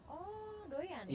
oh doyan ya